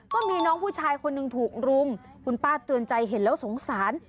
ก็มีน้องผู้ชายคนหนึ่งถูกรุมคุณป้าเตือนใจเห็นแล้วสงสาร